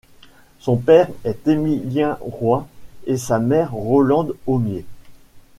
Son père est Émilien Roy et sa mère Rolande Homier.